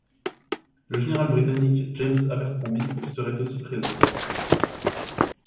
Le général britannique James Abercrombie serait aussi présent.